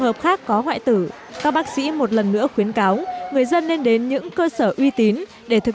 hợp khác có hoại tử các bác sĩ một lần nữa khuyến cáo người dân nên đến những cơ sở uy tín để thực